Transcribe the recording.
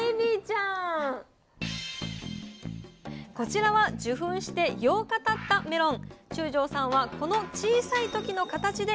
こちらは受粉して８日たったメロン。